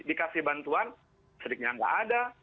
dikasih bantuan listriknya nggak ada